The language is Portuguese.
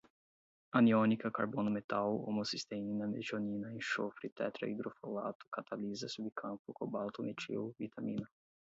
aniônica, carbono-metal, homocisteína, metionina, enxofre, tetraidrofolato, catalisa, subcampo, cobalto-metil, vitamina